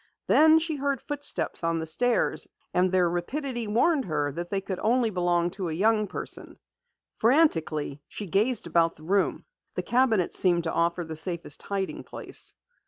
Then she heard footsteps on the stairs, and their rapidity warned her that they could belong only to a young person. Frantically, she gazed about the room. The cabinet seemed to offer the safest hiding place.